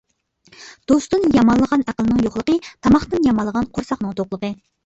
دوستتىن يامانلىغان ئەقىلنىڭ يوقلۇقى، تاماقتىن يامانلىغان قورساقنىڭ توقلۇقى.